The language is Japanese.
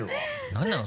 何なの？